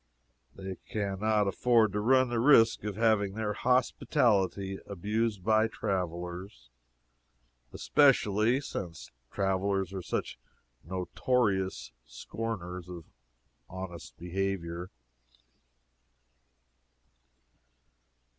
They can not afford to run the risk of having their hospitality abused by travelers, especially since travelers are such notorious scorners of honest behavior.